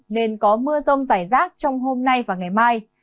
nên có mưa rông rải rác trong hôm nay và ngày mai